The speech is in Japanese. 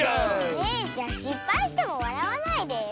えじゃしっぱいしてもわらわないでよ。